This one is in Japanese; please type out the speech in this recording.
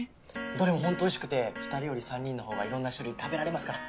どれもホントおいしくて２人より３人の方がいろんな種類食べられますから。